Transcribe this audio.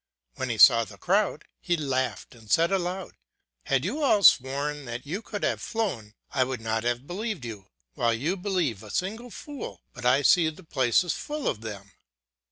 When he saw the crowd, he laughed and said aloud: " Had you all sworn that you could have flown, I would not liave believed you, while you believe a single fool ; but I see the place is full of them.